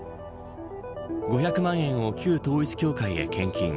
５００万円を旧統一教会へ献金。